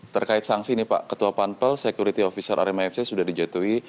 terkait sanksi ini pak ketua panpel security officer rmfc sudah dijatuhi